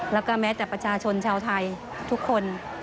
แล้วก็แม้แต่ประชาชนชาวไทยทุกคน